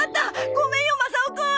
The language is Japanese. ごめんよマサオくん！